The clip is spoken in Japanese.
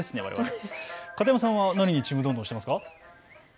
片山さんは何にちむどんどんしていますか。